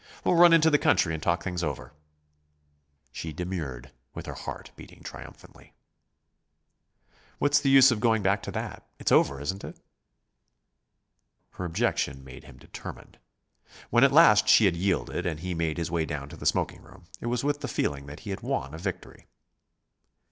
"We'll run out into the country and talk things over." She demurred, with her heart beating triumphantly. "What's the use of going back to that? It's over, isn't it?" Her objection made him determined. When at last she had yielded, and he made his way down to the smoking room, it was with the feeling that he had won a victory.